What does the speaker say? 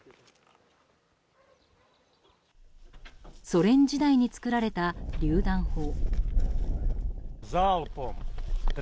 ソ連時代に作られたりゅう弾砲。